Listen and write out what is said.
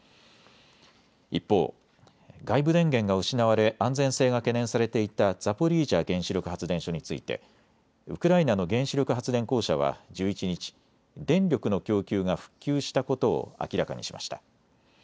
一方、外部電源が失われ安全性が懸念されていたザポリージャ原子力発電所についてウクライナの原子力発電公社は１１日、電力の供給が復旧したことを明らかにしました。